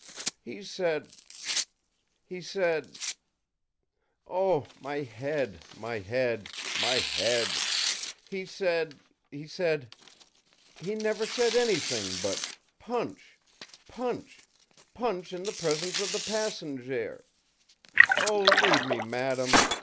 ì'He said he said oh, my head, my head, my head! He said he said he never said anything but Punch, punch, punch in the presence of the passenjare! Oh, leave me, madam!